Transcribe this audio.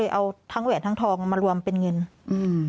เอาทั้งแหวนทั้งทองมารวมเป็นเงินอืม